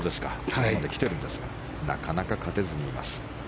ここまで来ているんですがなかなか勝てずにいます。